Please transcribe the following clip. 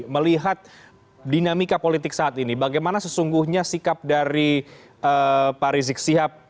melihat dinamika politik saat ini bagaimana sesungguhnya sikap dari pak rizik sihab